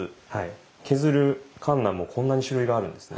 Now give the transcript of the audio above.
削るかんなもこんなに種類があるんですね。